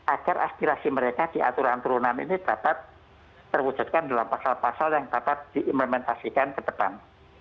agar aspirasi mereka di aturan turunan ini dapat terwujudkan dalam pasal pasal yang dapat diimplementasikan ke depan